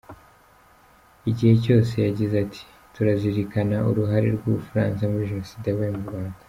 Icyo gihe yagize ati “Turazirikana uruhare rw’u Bufaransa muri Jenoside yabaye mu Rwanda.